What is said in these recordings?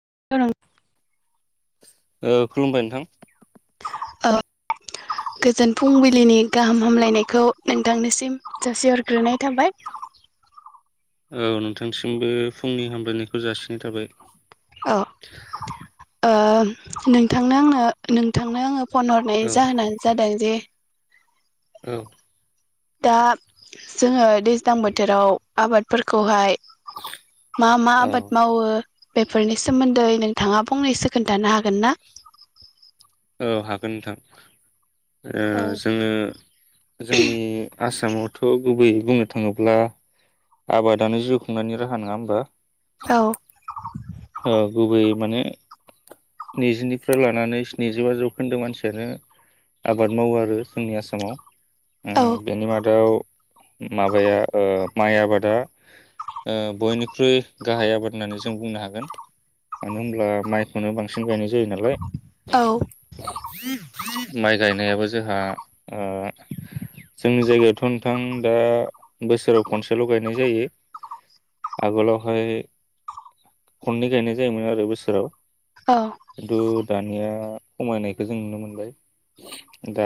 [unintelligible] ओ खुलुमबाय नोंथां ओ गोजोन फुंबिलिनि गाहाम हामलायनायखौ नोंथांनिसिम जासिहरग्रोनाय थाबाय औ नोंथांसिमबो फुंनि हामलायनायखौ जासिनाय थाबाय अ आ नोंथांनो आंनो नोंथांनो आङो फन हरनाय औ जाहोनानो जादों जे औ दा जोङो दैज्लां बोथोराव आबादफोरखौहाय मा मा आबाद मावो बेफोरनि सोमोन्दै नोंथाङा फंनैसो खोन्थानो हागोन ना औ हागोन नोंथां औ जोङो जोंनि आसामावथ' गुबैयै बुंनो थाङोब्ला आबादानो जिउ खुंनायनि राहा नङा होमबा? औ गुबैयै माने नैजिनिफ्राय लानानै स्निजिबा जौखोन्दो मानसियानो आबाद मावो आरो जोंनि आसामाव औ उम बेनि मादाव माबाया ओ माइ आबादा बयनिख्रुइ गाहाय आबाद होननानै जों बुंनो हागोन मानो होनोमब्ला माइखौनो बांसिन गायनाय जायो जायो नालाय औ माइ गायनायाबो जोंहा जोंनि जायगायावथ' नोंथां दा बोसोराव खनसेल' गायनाय जायो आगोलावहाय खननै गायनाय जायोमोन आरो बोसोराव औ खिनथु दानिया खमायनायखौ जों नुनो मोनबाय दा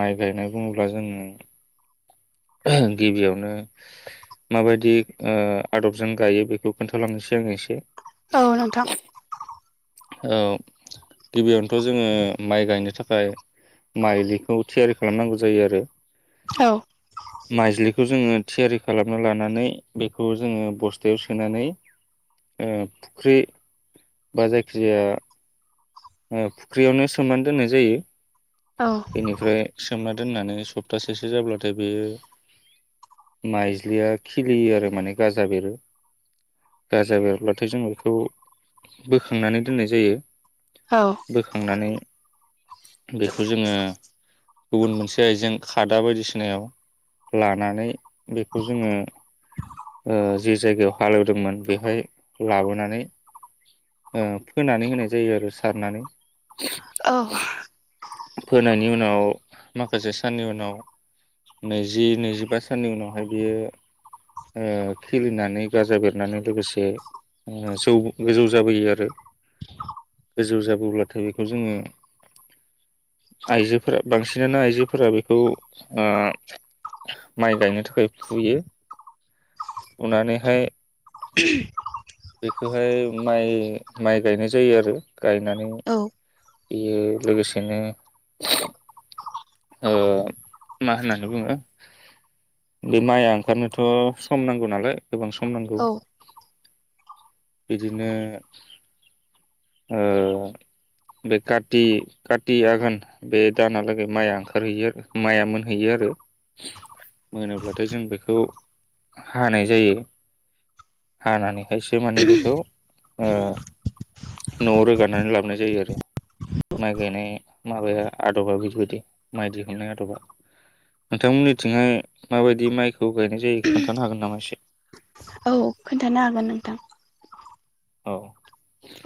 माइ गायनाय बुङोब्ला जोङो गिबियावनो माबायदि आदबजों गायो बेखौ खोन्थालांनोसै आंङो एसे औ नोंथां ओ गिबियावनोथ' जोङो माइ गायनो थाखाय माइलिखौ थियारि खालामनांगौ जायो आरो औ माइज्लिखौ जोङो थियारि खालामना लानानै बेखौ जोङो बस्थायाव सोनानै फुख्रि बा जाय ख्रिया अ फुख्रियावनो सोमनानै दोननाय जायो औ बेनिफ्राय सोमना दोननानै सप्तासेसो जाब्लाथाय बेयो माइज्लिया खिलियो आरो माने गाजा बेरो गाजा बेरब्लाथाय जों बेखौ बोखांनानै दोननाय जायो औ बोखांनानै बेखौ जोङो गुबुन मोनसे आइजें खादा बायदिसिनायाव लानानै बेखौ जोङो ओ जि जायगायाव हालेवदोंमोन बेवहाय लाबोनानै ओ फोनानै होनाय जायो आरो सारनानै औ फोनायनि उनाव माखासे साननि उनाव नैजि नैजिबा साननि उनावहाय बियो ओ खिलिनानै गाजा बेरनानै लोगोसे ओ जौ गोजौ जाबोयो आरो गोजौ जाबोब्लाथाय बेखौ जोङो आइजोफोरा बांसिनानो आइजोफोरा बेखौ ओ माइ गायनो थाखाय फुयो। फुनानैहाय [unintelligible] ओ माइ गायनाय जायो आरो गायनानै औ बेयो लोगोसेनो ओ मा होननानै बुङो बे माइआ ओंखारनोथ' सम नांगौ नालाय गोबां सम नांगौ। बिदिनो ओ बे काति काति आघोन बे दानालागै माइआ ओं खारहैयो आरो माइआ मोनहैयो आरो मोनोब्लाथाय जों बेखौ हानाय जायो हानानै खायसे माने बेखौ ओ- न'आव रोगानानै लाबोनाय जायो आरो माइ गायनाय माबाया आदबा बेफोरबायदि। माइ दिहुननाय आदबा नोंथांमोननिथिंहाय माबायदि माइखौ गायनाय जायो खोन्थानो हागोन नामा एसे? औ खोन्थानो हागोन नोंथां। औ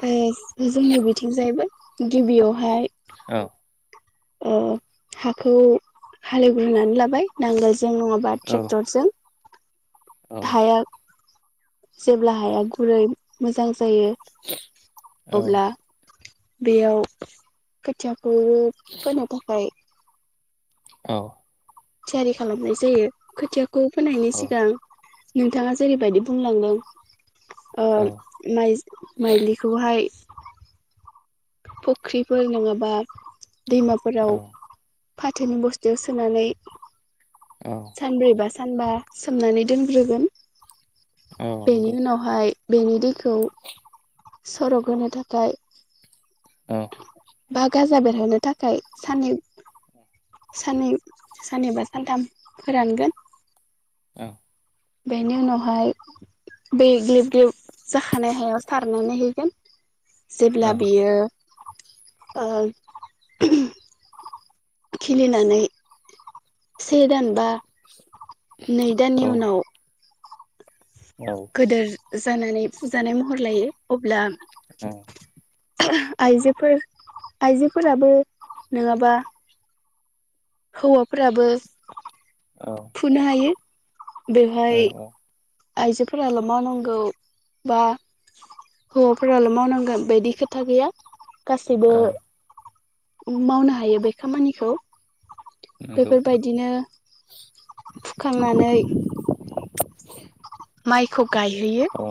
ए जोंनि बिथिं जायबो। गिबियावहाय औ ओ- हाखौ हालेवग्रोनानै लाबाय नांगोलज जों नङाबा औ ट्रेक्टरजों औ हाया जेब्ला हाया गुरै मोजां जायो औ अब्ला बेयाव खोथिया बोद फोनो थाखाय औ थियारि खालामनाय जायो खोथिया खौ फोनायनि सिगां। नोंथाङा जेरैबायदि बुंलांदों औ ओ- माइज- माइलिखौहाय। फख्रिफोर नङाबा दैमाफोराव औ फाथोनि बस्तायाव सोनानै औ सानब्रै बा, सानबा सोमनानै दोनग्रोगोन। औ बेनि नंगौ उनावहाय बेनि दैखौ सरक होनो थाखाय औ। बा गाजा बेरहनो थाखाय सानै साननै साननैबा सानथाम फोरानगोन। औ। बेनि उनावहाय बै ग्लेब ग्लेब जाखानाय हायाव सारनानै हैगोन। जेब्ला औ बेयो ओ खिलिनानै से दान बा नै दानि औ उनाव औ गोदोर जानानै फुजानाय महर लायो अब्ला औ। आइजोफोर आइजोफोराबो नङाबा हौवाफोराबो फुनो हायो। बेवहाय औ आइजोफोराल' मावनांगौ बा हौवाफोराल' मावनांगोन बायदि खोथा गैया। गासिबो औ मावनो हायो बे खामानिखौ। नंगौ बेफोर बायदिनो फुखांनानै [inaudible] माइखौ गायहैयो। औ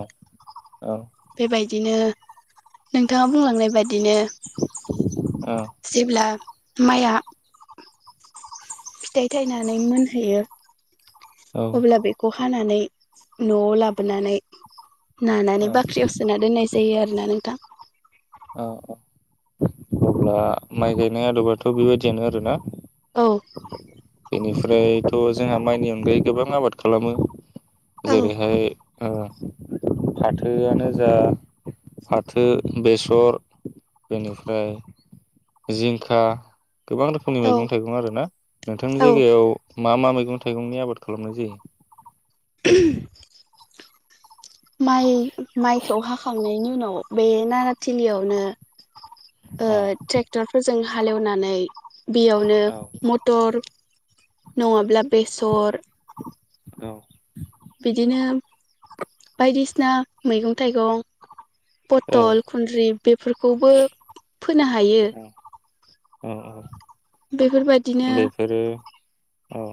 औ। बेबायदिनो नोंथाङा बुंलांनाय बायदिनो औ। माया फिथाइ थायनानै मोनहैयो अब्ला बेखौ हानानै न'आव लाबोनानै नानानै औ औ बाख्रियाव सोना दोननाय जायो आरो ना नोंथां। औ औ। अब्ला माइ गायनाय आदबाथ' बेबायदियानो आरो ना? औ। बेनिफ्रायथ' जोंहा माइनि अनगायै गोबां आबाद खालामो। औ जेरैहाय फाथोआनो जा फाथो बेसर बेनिफ्राय जिंखा गोबां रोखोमनि औ मैगं थाइगं आरोना नोंथांनि औ जायगायाव मा मा मैगं थाइगंनि आबाद खालामनाय जायो? [inaudible] माइ माइखौ हाखांनायनि उनाव बे नाराथिलियावनो ओ औ ट्रेक्टरफोर जों हालेवनानै बेयावनो औ मटर नङाब्ला बेसर औ। बिदिनो बायदिसिना मैगं थाइगं फथल औ खुन्द्रि बेफोरखौबो फोनो हायो । औ औ। बेफोरबायदिनो बेफोरो औ।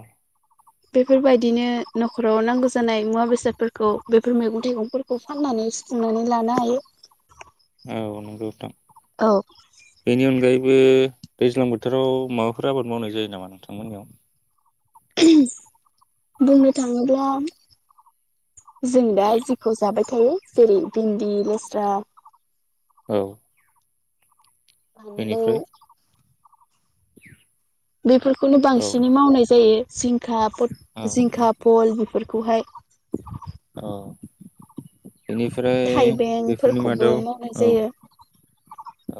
बेफोरबायदिनो न'खराव नांगौ जानाय मुवा बेसादफोरखौ बेफोर मैगं थाइगंफोरखौ फाननानै सुफुंनानै लानो हायो। औ नोंगौ नोंथां। औ। बे दैज्लां बोथोराव माबाफोर आबाद मावनाय जायो नामा नोंथांमोननियाव? [inaudible] बुंनो थाङोब्ला जों दा जिखौ जाबाय थायो जेरै भिन्दि लेस्रा औ। बानलौ। बेनिफ्राय [inaudible] बेफोरखौनो औ बांसिनै मावनाय जायो। जिं खा औ [unintelligible] जिंखा फल फोरखौहाय औ। बेनिफ्राय बेफोरनि थाइबेंफोरखौबो मादाव मावनाय औ जायो।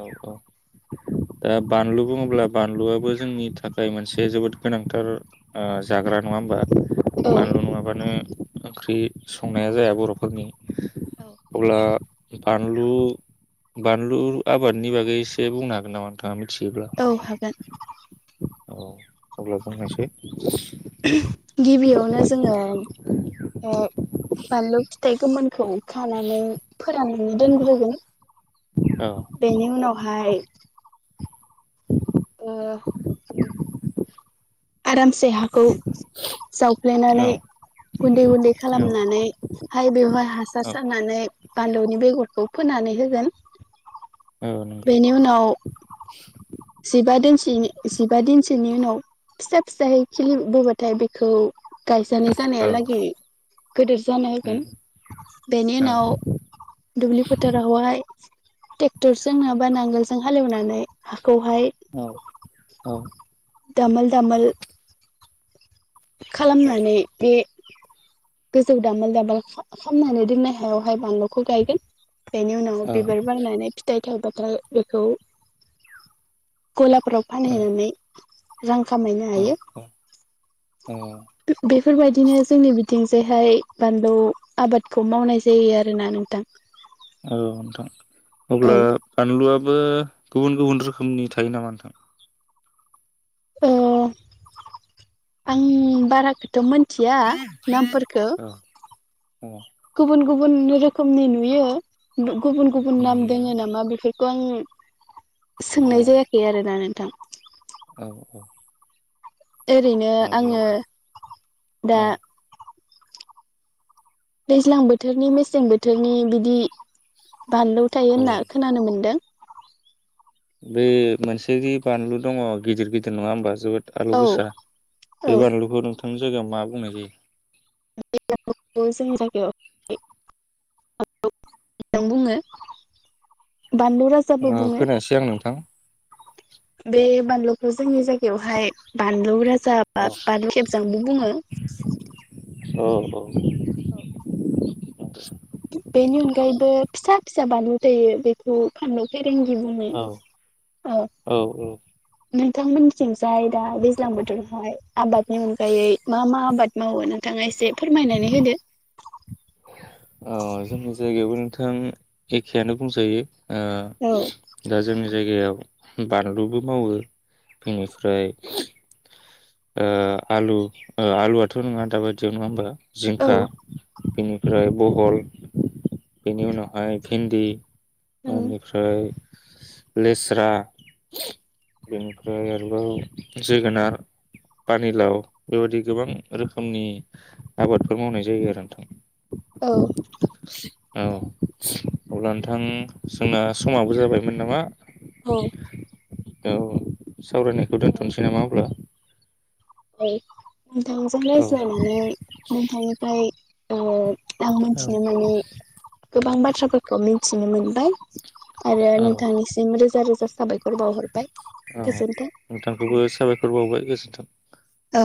औ औ। ओ बानलु बुङोब्ला बानलुआबो जोंनि थाखाय मोनसे जोबोद गोनांथार ओ जाग्रा नङा होमबा? औ बानलु नङाबानो ओंख्रि संनाया जाया बर'फोरनि अब्ला बानलु बानलु आबादनि बागै एसे बुंनो हागोन नामा? नोंथांआ मि थिब्ला औ हागोन औ अब्ला बुंनायसाय नो जोङो ओ बानलु फिथाइ गोमोनखौ खानानै फोराननानै दोनग्रोगोन औ बेनि उनाव फाय ओ आरामसे हाखौ जावफ्लेनानै औ गुन्दै गुन्दै औ खालामनानैहाय बेवहाय हासार औ सारनानै बानलुनि बेगरखौ फोनानै होगोन औ नंगौ बेनि उनाव जिबा दिनसोनि जिबा दिनसोनि उनाव फिसा फिसायै खिलिबोबाथाय बेखौ गायसननाय औ जानाया लागे गोदोर जानो उम होगोन बेनि औ उनाव दुब्लि फोथारावहाय ट्रेक्टरजों नोंआबा नांगोलजों हालेवनानै हाखौहाय औ औ दामोल दामोल खालामनानै बे गोजौ दामोल दामोल खा-खामनानै दोननाय हायावहाय बानलुखौ गायगोन । बेनि उनाव बिबार बारनानै फिथाइ [unintelligible] ग'लाफोराव फानहैनानै रां खामायनो औ हायो औ [unintelligible] बेफोरबायदिनो जोंनि बिथिंजायहाय बानलु आबादखौ मावनाय जायो आरोना नोंथां । औ नोंथां अब्ला ओं बानलुआबो गुबुन गुबुन रोखोमनि थायो नामा नोंथां? औ आं बाराखौथ' मोन थिया नामफोरखौ अ गुबुन गुबुन रोखोमनि नुयो गुबुन गुबुन नाम नुयो ना दोङो नामा बेफोर [unintelligible] औ सोंनाय जायाखै आरो दा नोंथां [unintelligible] औ औ ओरैनो आङो अब्ला दा औ दैज्लां बोथोरनि मेसें बोथोरनि बिदि बानलौ थायो औ होनना खोनानो मोन्दों बे मोनसे जि बानलु दङ गिदिर गिदिर नङा होमबा जोबोद आलु औ गोसा औ बे बानलुखौ नथ' नोंनि जायगायाव मा बुंनाय जायो? जोंनि थाखाय बुङो बानलु अ राजाबो बुङो। खोनायासै आं नोंथां बे बानलुखौ जोंनि जायगायावहाय बानलु राज औ जाबा बाथु खेबजोंबो बुङो औ औ। औ। [unintelligible] बेनि अनगायैबो फिसा फिसा बानलु जायो बेखौ फानलु फै थगि भुुमि औ। नोंथांमोननिथिंजाय दा दैज्लां बोथोरावहाय। आबादनि अनगायै मा मा आबाद मावो नोंथाङा एसे फोरमायनानै होदो। औ जोंनि जायगायावबो नोंथां एखेआानो बुंजायो। ओ औ दा जोंनि जायगायाव बानलुबो मावो बेनिफ्राय ओ आलु आलुआथ' नङा दाबायदियाव नङा होमबा जिंखा बेनि ओमफ्राय बहल बेनि उनावहाय भिन्दि बेनिफ्राय लेस्रा बेनिफ्राय आरोबाव जोगोनार पानिलाव बेबायाददि गोबां रोखोमनि आबादफोर मावनाय जायो आरो नोंथां। औ [unintelligible] औ अब्ला नोंथां जोंना समाबो जाबायमोन नामा। औ। औ। सावरायनायखौ दोन्थ'नोसै नामा अब्ला। औ। नोंथांजों औ रायज्लायनानै नोंथांनिफ्राय औ। आं मिथिनो मानि गोबां बाथ थ्राफोरखौ मिन्थिनो मोनो आरो नोंथांनिसिम रोज जा रोजा साबाय औ नोंथांखौबो साबायखर बावबाय। दिसथाब। औ।